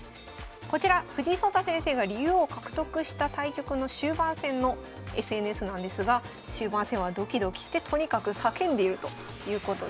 こちら藤井聡太先生が竜王獲得した対局の終盤戦のＳＮＳなんですが終盤戦はドキドキしてとにかく叫んでいるということです。